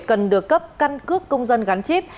cần được cấp căn cước công dân gắn chip